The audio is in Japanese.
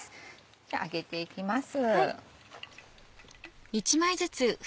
じゃあ揚げていきます。